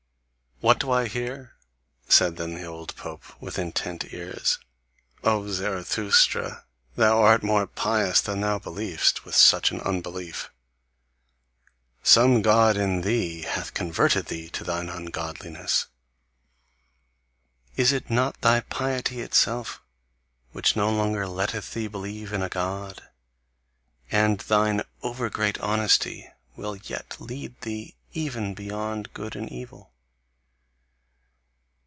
'" "What do I hear!" said then the old pope, with intent ears; "O Zarathustra, thou art more pious than thou believest, with such an unbelief! Some God in thee hath converted thee to thine ungodliness. Is it not thy piety itself which no longer letteth thee believe in a God? And thine over great honesty will yet lead thee even beyond good and evil!